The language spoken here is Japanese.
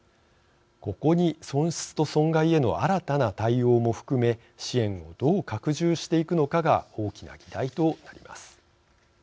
ここに損失と損害への新たな対応も含め支援をどう拡充していくのかが大きな議題となります。